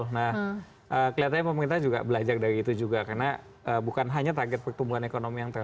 nah kelihatannya pemerintah juga belajar dari itu juga karena bukan hanya target pertumbuhan ekonomi yang terlalu